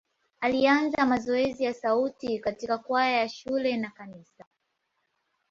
Alianza mazoezi ya sauti katika kwaya ya shule na kanisa.